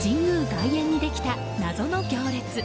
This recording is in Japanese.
外苑にできた謎の行列。